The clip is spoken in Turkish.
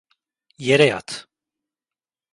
Yere yat.